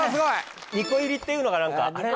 ２個入りっていうのが何かあれ？